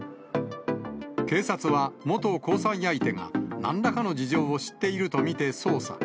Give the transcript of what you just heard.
警察は、元交際相手がなんらかの事情を知っていると見て捜査。